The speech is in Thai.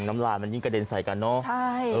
น้ำลายมันยิ่งกระเด็นใส่กันเนอะใช่